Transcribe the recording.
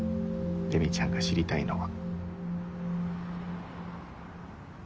レミちゃんが知りたいのは。